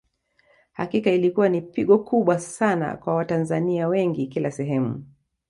Hakika ilikuwa ni pigo kubwa Sana kwa Watanzania wengi kila sehemu